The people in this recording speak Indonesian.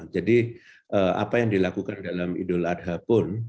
apa yang dilakukan dalam idul adha pun